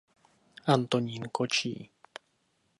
Antonín Kočí.